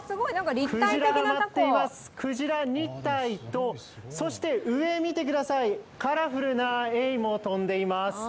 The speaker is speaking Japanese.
クジラが舞っています、クジラ２体とそして上見てください、カラフルなエイも飛んでいます。